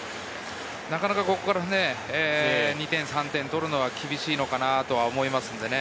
なかなかここから２点、３点取るのは厳しいのかなと思います。